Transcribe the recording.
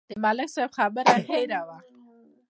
د ملک صاحب خبره هېره وه.